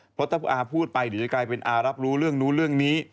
เพราะถ้าอาพูดไปเดี๋ยวจะกลายเป็นอารับรู้เรื่องนู้นเรื่องนี้